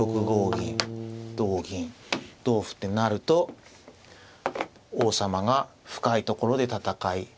６五銀同銀同歩ってなると王様が深いところで戦い。